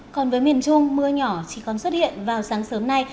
còn với miền trung mưa nhỏ chỉ còn xuất hiện vào sáng sớm nay